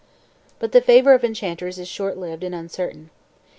But the favor of enchanters is short lived and uncertain.